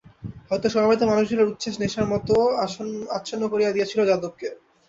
হয়তো সমবেত মানুষগুলির উচ্ছাস নেশার মতো আচ্ছন্ন করিয়া দিয়াছিল যাদবকে।